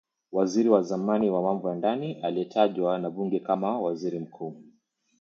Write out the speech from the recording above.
waziri wa zamani wa mambo ya ndani aliyetajwa na bunge kama waziri mkuu.